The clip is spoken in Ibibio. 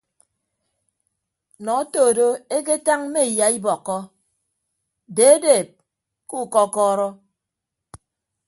Nọ oto do eketañ mme iyaibọkkọ deedeeb ku kọkọrọ.